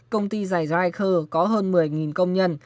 công ty dày riker có hơn một mươi công nhân